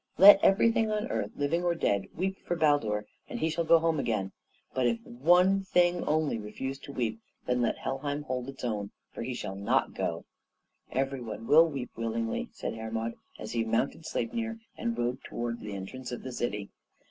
Let everything on earth, living or dead, weep for Baldur, and he shall go home again; but if one thing only refuse to weep, then let Helheim hold its own; he shall not go." "Every one will weep willingly," said Hermod, as he mounted Sleipnir and rode towards the entrance of the city.